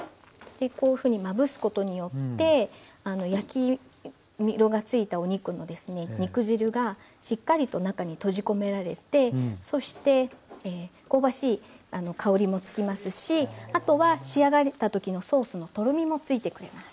こういうふうにまぶすことによって焼き色がついたお肉の肉汁がしっかりと中に閉じ込められてそして香ばしい香りもつきますしあとは仕上がった時のソースのとろみもついてくれます。